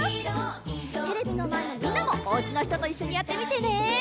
テレビのまえのみんなもおうちのひとといっしょにやってみてね！